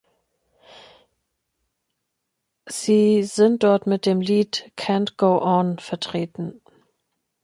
Sie sind dort mit dem Lied "Can’t Go On" vertreten.